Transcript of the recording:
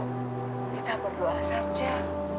kita berdoa saja